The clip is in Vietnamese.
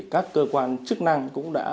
các cơ quan chức năng cũng đã